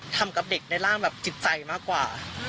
ทำกับเด็กในร่างแบบจิตใจมากกว่า